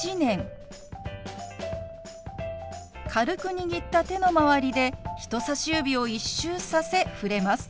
軽く握った手の周りで人さし指を一周させ触れます。